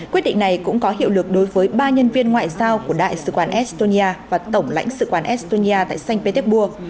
quyết định này cũng có hiệu lực đối với ba nhân viên ngoại giao của đại sứ quán estonia và tổng lãnh sứ quán estonia tại sanh petek bua